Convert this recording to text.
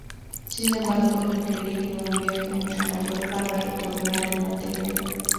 Sin embargo, requeriría un viaje mucho mayor para retornar el material.